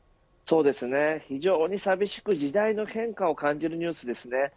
非常に寂しく、時代の変化を感じるニュースですね。